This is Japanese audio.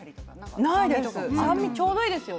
酸味ちょうどいいですよね。